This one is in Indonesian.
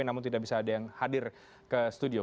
namun tidak bisa ada yang hadir ke studio